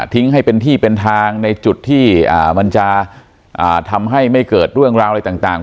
ให้เป็นที่เป็นทางในจุดที่มันจะทำให้ไม่เกิดเรื่องราวอะไรต่าง